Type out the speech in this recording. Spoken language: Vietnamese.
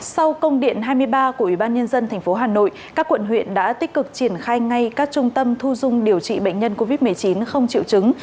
sau công điện hai mươi ba của ubnd tp hà nội các quận huyện đã tích cực triển khai ngay các trung tâm thu dung điều trị bệnh nhân covid một mươi chín không triệu chứng